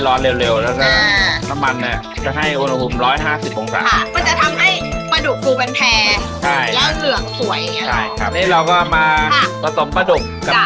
หลังจากบดเสร็จนะคะถ้าตอนนี้คือสำคัญมากเราจะมาทั้งการทอดปลาดุกให้ฟู